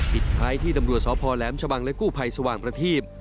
ปิดท้ายที่ตำรวจสพแหลมชะบังและกู้ภัยสว่างประทีบ